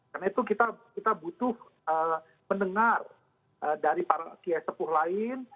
karena itu kita butuh mendengar dari para siai tepuh lain